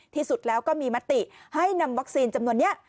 ที่สุดแล้วก็มีมติให้นำวัคซีนจำนวนนี้